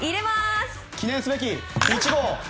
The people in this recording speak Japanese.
記念すべき１号！